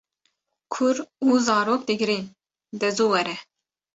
Kur û zarok digrîn, de zû were